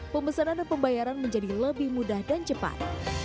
pembesanan dan pembayaran menjadi lebih mudah dan cepat